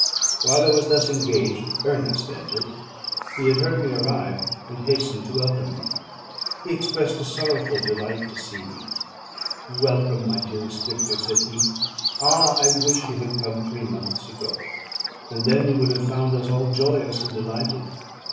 While I was thus engaged, Ernest entered: he had heard me arrive, and hastened to welcome me. He expressed a sorrowful delight to see me: "Welcome, my dearest Victor," said he. "Ah! I wish you had come three months ago, and then you would have found us all joyous and delighted.